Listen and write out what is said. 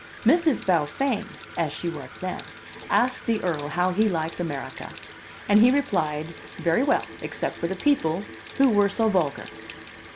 Miss Beaufain (as she was then) asked the Earl how he liked America; and he replied, very well, except for the people, who were so vulgar.